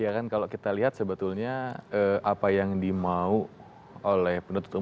ya kan kalau kita lihat sebetulnya apa yang dimau oleh penutup umum